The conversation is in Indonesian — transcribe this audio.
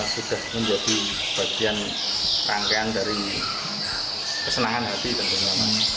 sudah menjadi bagian rangkaian dari kesenangan hati dan pengalaman